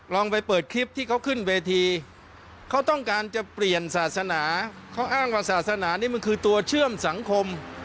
ลองไปเปิดคลิปที่เขาขึ้นเวทีเขาต้องการจะเปลี่ยนศาสนาเขาอ้างว่าศาสนานี่มันคือตัวเชื่อมสังคม